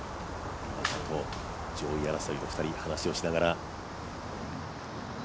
上位争い、２人話をしながら。